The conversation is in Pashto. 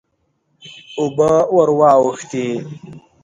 اوبه ور واوښتې.